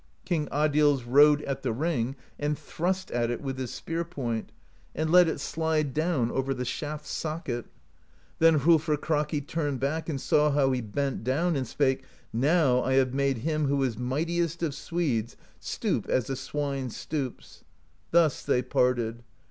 King Adils rode at the ring and thrust at it with his spear point, and let it slide down over the shaft socket. Then Hrolfr Kraki turned back and saw how he bent down, and spake: 'Now I have made him who is mightiest of Swedes stoop as a swine stoops.' Thus they parted.